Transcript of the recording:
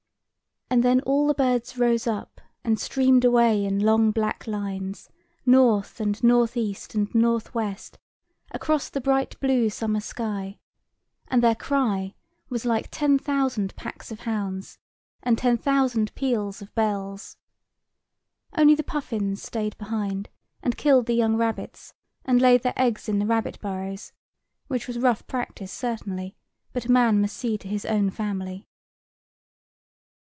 And then all the birds rose up, and streamed away in long black lines, north, and north east, and north west, across the bright blue summer sky; and their cry was like ten thousand packs of hounds, and ten thousand peals of bells. Only the puffins stayed behind, and killed the young rabbits, and laid their eggs in the rabbit burrows; which was rough practice, certainly; but a man must see to his own family.